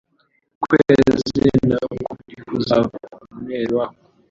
ukwezi na ko ntikuzava umwezi wako,